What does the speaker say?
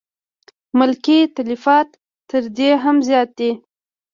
ملکي تلفات تر دې هم زیات دي.